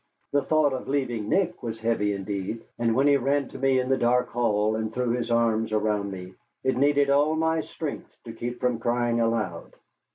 The thought of leaving Nick was heavy indeed; and when he ran to me in the dark hall and threw his arms around me, it needed all my strength to keep from crying aloud.